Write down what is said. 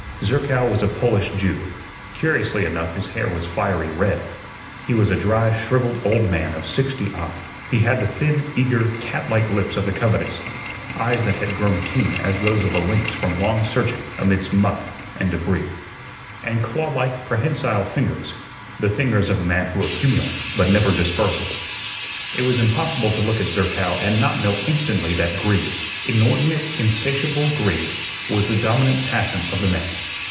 Zerkow was a Polish Jew curiously enough his hair was fiery red. He was a dry, shrivelled old man of sixty odd. He had the thin, eager, cat like lips of the covetous; eyes that had grown keen as those of a lynx from long searching amidst muck and debris; and claw like, prehensile fingers the fingers of a man who accumulates, but never disburses. It was impossible to look at Zerkow and not know instantly that greed inordinate, insatiable greed was the dominant passion of the man.